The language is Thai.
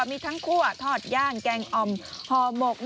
มีทั้งขั้วทอดย่างแกงอ่อมฮอร์โหมก